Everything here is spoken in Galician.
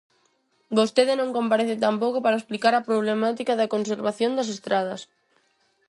Vostede non comparece tampouco para explicar a problemática da conservación das estradas.